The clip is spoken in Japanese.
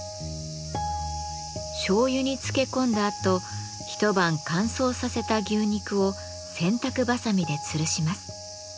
しょうゆに漬け込んだあと一晩乾燥させた牛肉を洗濯ばさみでつるします。